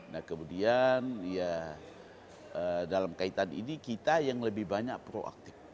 nah kemudian ya dalam kaitan ini kita yang lebih banyak proaktif